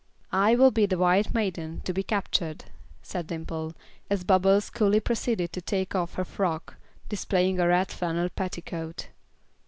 "I will be the white maiden to be captured," said Dimple, as Bubbles coolly proceeded to take off her frock, displaying a red flannel petticoat.